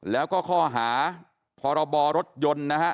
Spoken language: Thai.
แล้วก็ข้อหาพรบรถยนต์นะฮะ